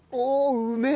うめえ！